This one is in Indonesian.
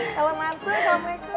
salam mantu ya salamualaikum